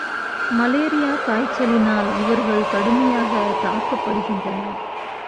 மலேரியாக் காய்ச்சலினால் இவர்கள் கடுமையாகத் தாக்கப்படுகின்றனர்.